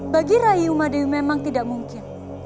bagi rai umadewi memang tidak mungkin